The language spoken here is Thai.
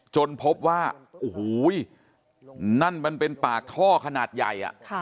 จนพบว่าโอ้โหนั่นมันเป็นปากท่อขนาดใหญ่